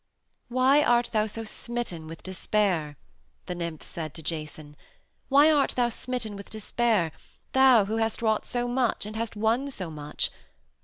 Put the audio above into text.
"Why art thou so smitten with despair?" the nymphs said to Jason. "Why art thou smitten with despair, thou who hast wrought so much and hast won so much?